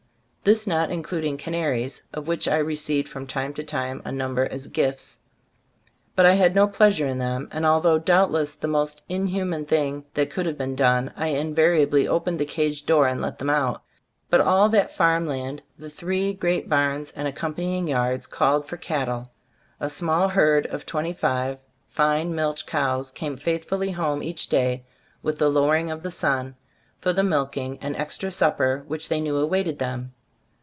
This not including canaries, of which I re ceived from time to time a number as gifts ; but I had no pleasure in them, and although doubtless the most in human thing that could have been done, I invariably opened the cage door and let them out. But all that farm land, the three great barns and accompanying yards, Gbe Store of As Cbftoboofc 71 called for cattle. A small herd of twenty five fine milch cows came faithfully home each day with the lowering of the sun, for the milking and extra supper which they knew awaited them.